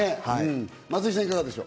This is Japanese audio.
松井さん、いかがでしょう？